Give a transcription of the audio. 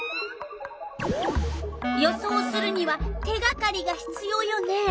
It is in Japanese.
予想をするには手がかりがひつようよね。